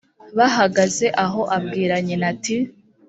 bahagaze aho abwira nyina ati